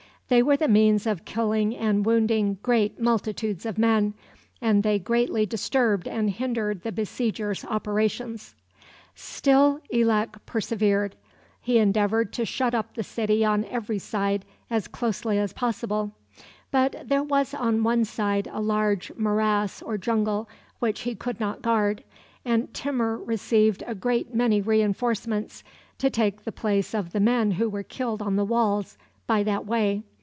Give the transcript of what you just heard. They were the means of killing and wounding great multitudes of men, and they greatly disturbed and hindered the besiegers' operations. Still Elak persevered. He endeavored to shut up the city on every side as closely as possible; but there was on one side a large morass or jungle which he could not guard, and Timur received a great many re enforcements, to take the place of the men who were killed on the walls, by that way.